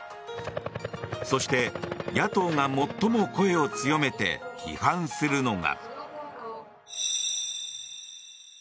そして野党が最も声を強めて批判するのが。